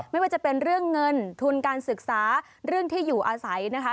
ไม่ว่าจะเป็นเรื่องเงินทุนการศึกษาเรื่องที่อยู่อาศัยนะคะ